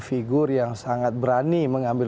figur yang sangat berani mengambil